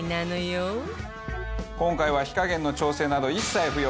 今回は火加減の調整など一切不要。